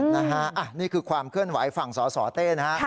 นี่คือความเคลื่อนไหวฝั่งสสเต้นะฮะ